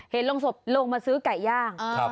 ลงศพลงมาซื้อไก่ย่าง